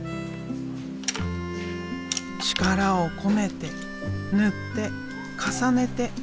力を込めて塗って重ねて。